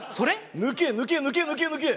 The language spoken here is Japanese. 抜け抜け抜け抜け抜け！